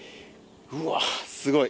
うわあ、すごい。